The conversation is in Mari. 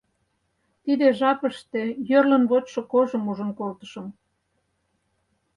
Тиде жапыште йӧрлын вочшо кожым ужын колтышым.